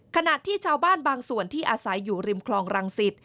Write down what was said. ขณะที่ชาวบ้านบางส่วนที่อาศัยอยู่ริมคลองรังสิต